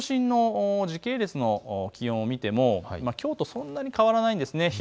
東京都心の時系列の気温を見てもきょうとそんなに変わらないです。